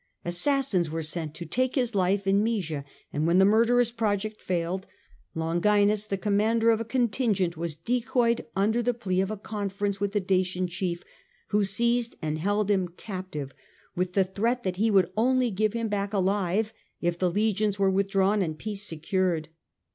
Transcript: Assassins were sent to take his life in Moesia and when the murderous project failed, Longinus, the commander of a contingent, was decoyed under the plea of a conference with the Dacian chief, who seized and held him captive with the threat that he would only give him back alive if the legions were withdrawn and peace secured.